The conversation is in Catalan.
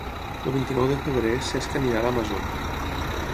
El vint-i-nou de febrer en Cesc anirà a la Masó.